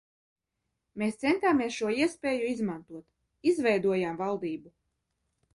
Mēs centāmies šo iespēju izmantot, izveidojām valdību.